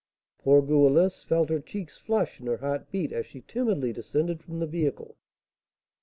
Poor Goualeuse felt her cheeks flush and her heart beat as she timidly descended from the vehicle.